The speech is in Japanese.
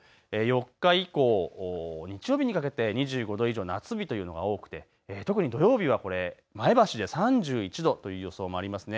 １週間見てみますと４日以降、日曜日にかけて２５度以上の夏日というのが多くて土曜日は前橋で３１度という予想もありますね。